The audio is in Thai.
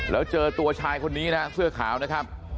แล้วเจอตัวชายคนนี้นะฮะเสื้อขาวนะครับ